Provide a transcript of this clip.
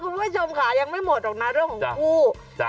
คุณผู้ชมค่ะยังไม่หมดหรอกนะเรื่องของคู่